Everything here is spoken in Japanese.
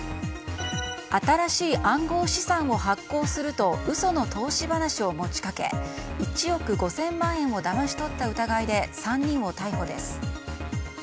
新しい暗号資産を発行すると嘘の投資話を持ち掛け１億５０００万円をだまし取った疑いで３人を逮捕です。